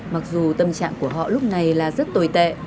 mặc dù tâm trạng của họ lúc này là rất tồi tệ